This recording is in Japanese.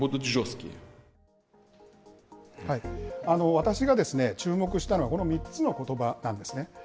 私が注目したのは、この３つのことばなんですね。